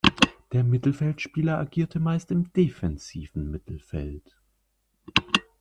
Der Mittelfeldspieler agierte meist im defensiven Mittelfeld.